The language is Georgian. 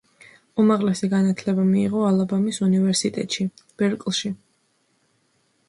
უმაღლესი განათლება მიიღო ალაბამის უნივერსიტეტში, ბერკლში.